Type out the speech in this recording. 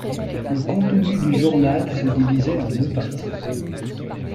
Le contenu du journal se divisait en deux parties.